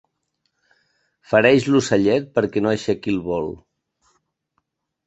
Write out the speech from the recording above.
Fereix l'ocellet perquè no aixequi el vol.